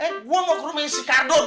eh gue mau ke rumahnya si cardon